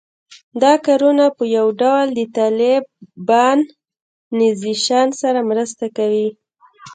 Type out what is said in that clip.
دا کارونه په یو ډول د طالبانیزېشن سره مرسته کوي